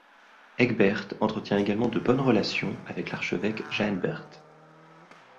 Ecgberht entretient également de bonnes relations avec l'archevêque Jænberht.